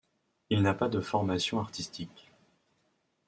Il n'a pas de formation artistique.